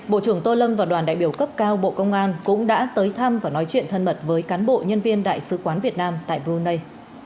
bộ trưởng tô lâm và đoàn đại biểu cấp cao bộ công an cũng đã tới thăm và nói chuyện thân mật với cán bộ nhân viên đại sứ quán việt nam tại brunei